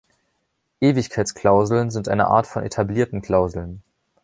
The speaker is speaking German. Ewigkeitsklauseln sind eine Art von etablierten Klauseln.